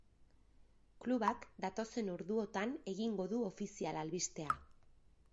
Klubak datozen orduotan egingo du ofizial albistea.